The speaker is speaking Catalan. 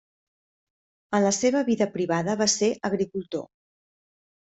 En la seva vida privada va ser agricultor.